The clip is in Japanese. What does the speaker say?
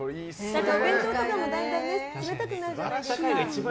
お弁当とかもだんだんね冷たくなるじゃないですか。